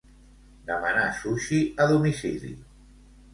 Demanar sushi a domicili.